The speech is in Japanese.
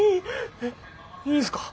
えいいんすか？